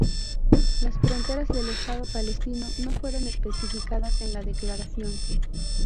Las fronteras del Estado palestino no fueron especificadas en la declaración.